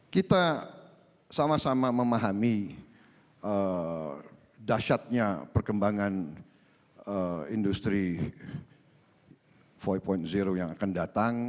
kita sama sama memahami dasyatnya perkembangan industri empat yang akan datang